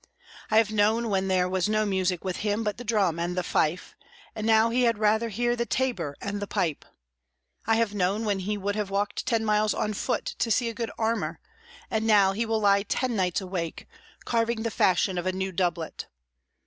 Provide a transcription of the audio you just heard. I have known when there was no music with him but the drum and the fife, and now he had rather hear the tabor and the pipe. I have known when he would have walked ten miles on foot to see a good armour, and now will he lie ten nights awake, carving the fashion of a new doublet.